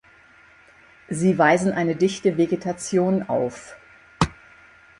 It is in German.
Sie weisen eine dichte Vegetation auf.